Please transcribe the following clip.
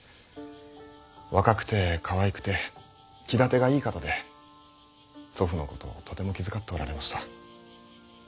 若くてかわいくて気立てがいい方で祖父のことをとても気遣っておられました。